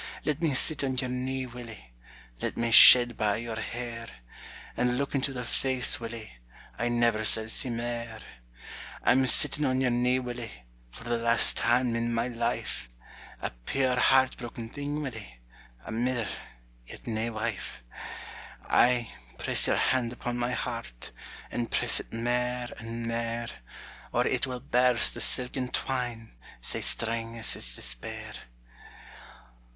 Let me sit on your knee, Willie, Let me shed by your hair, And look into the face, Willie, I never sall see mair! I'm sittin' on your knee, Willie, For the last time in my life, A puir heart broken thing, Willie, A mither, yet nae wife. Ay, press your hand upon my heart, And press it mair and mair, Or it will burst the silken twine, Sae strang is its despair.